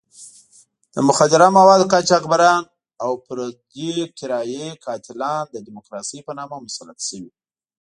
د مخدره موادو قاچاقبران او پردو کرایي قاتلان د ډیموکراسۍ په نامه مسلط شوي.